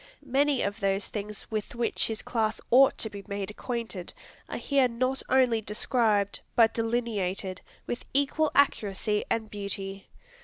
Many of those things with which his class ought to be made acquainted, are here not only described, but delineated, with equal accuracy and beauty.